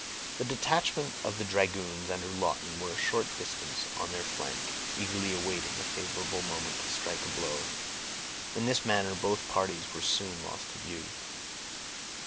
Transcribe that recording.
The detachment of the dragoons under Lawton were a short distance on their flank, eagerly awaiting a favorable moment to strike a blow. In this manner both parties were soon lost to view.